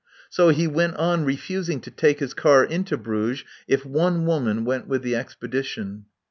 So he went on refusing to take his car into Bruges if one woman went with the expedition.